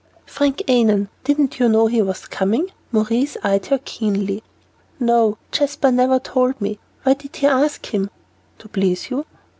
"Frank Annon. Didn't you know he was coming?" Maurice eyed her keenly. "No, Jasper never told me. Why did he ask him?" "To please you."